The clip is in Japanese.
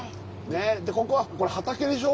ここはこれ畑でしょ？